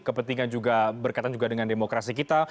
kepentingan juga berkaitan dengan dengar visi kita